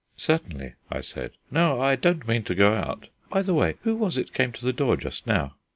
"Certainly," I said. "No, I don't mean to go out. By the way, who was it came to the door just now?"